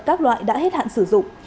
các loại đã hết hạn sử dụng